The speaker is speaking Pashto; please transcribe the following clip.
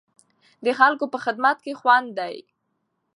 د خلکو په خدمت کې خوند دی.